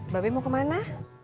babi mau kemana